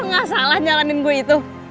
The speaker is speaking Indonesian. lo nggak salah nyalahin gue itu